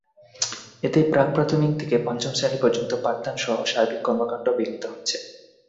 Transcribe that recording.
এতে প্রাক্-প্রাথমিক থেকে পঞ্চম শ্রেণি পর্যন্ত পাঠদানসহ সার্বিক কর্মকাণ্ড বিঘ্নিত হচ্ছে।